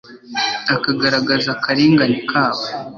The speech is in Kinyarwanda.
akagaragaza akarengane kabo